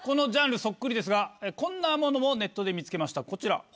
ですがこんなものもネットで見つけましたこちら。